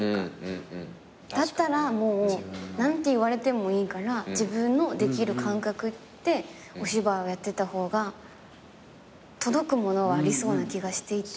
だったらもう何て言われてもいいから自分のできる感覚でお芝居をやってた方が届くものはありそうな気がしていて。